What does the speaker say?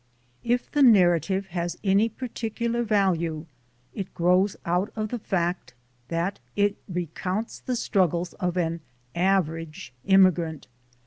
If the narrative has any particular value it grows out of the fact that it recounts the struggles of an average immigrant.